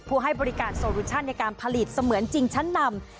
ให้บริการโซลูชั่นในการผลิตเสมือนจริงชั้นนำ